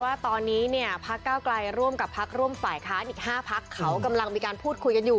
ว่าตอนนี้เนี่ยพักเก้าไกลร่วมกับพักร่วมฝ่ายค้านอีก๕พักเขากำลังมีการพูดคุยกันอยู่